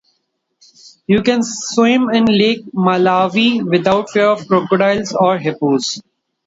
You can swim in Lake Malawi without fear of crocodiles or hippos.